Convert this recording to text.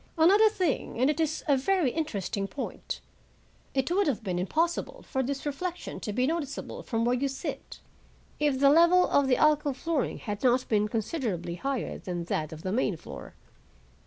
Another thing,—and it is a very interesting point,—it would have been impossible for this reflection to be noticeable from where you sit, if the level of the alcove flooring had not been considerably higher than that of the main floor.